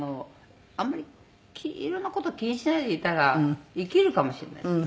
あんまり色んな事気にしないでいたらいけるかもしれないですね。